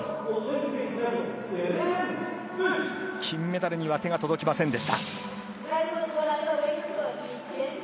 金メダルには手が届きませんでした。